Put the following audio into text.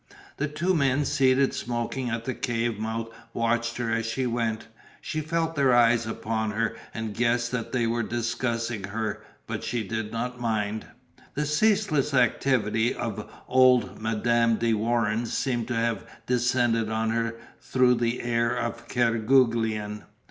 The two men seated smoking at the cave mouth watched her as she went. She felt their eyes upon her and guessed that they were discussing her, but she did not mind. The ceaseless activity of old Madame de Warens seemed to have descended on her through the air of Kerguelen.